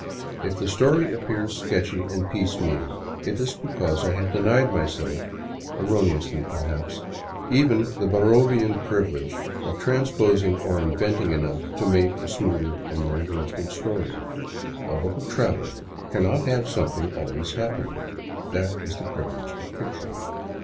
If the story appears sketchy and piecemeal, it is because I have denied myself, erroneously perhaps, even the Bar rovian privilege of transposing or inventing enough to make a smoother and more interesting story. A book of travel cannot have something always happening; that is the privilege of fiction.